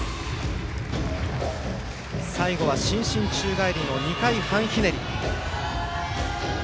最後は伸身宙返りの２回半ひねり。